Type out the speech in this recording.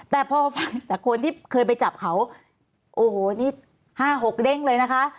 แต่พอฟังจากคนที่เคยไปจับเขาโอ้โหนี่๕๖เด้งเลยนะคะ